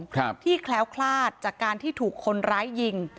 ครับที่แคล้วคลาดจากการที่ถูกคนร้ายยิง